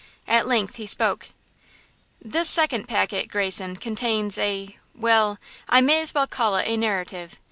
At length he spoke: "This second packet, Greyson, contains a–well, I may as well call it a narrative.